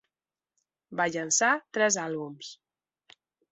Va llançar tres àlbums.